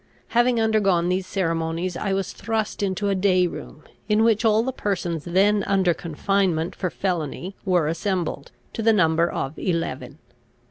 Having undergone these ceremonies, I was thrust into a day room, in which all the persons then under confinement for felony were assembled, to the number of eleven.